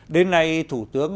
đến nay thủ tướng